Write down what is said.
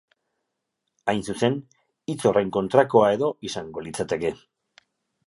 Hain zuzen, hitz horren kontrakoa edo izango litzateke.